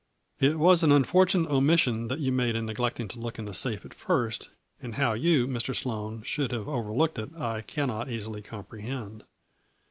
It was an unfortunate omission that you made in neglecting to look in the safe at first, and how you, Mr. Sloane, should have overlooked it I cannot easily comprehend.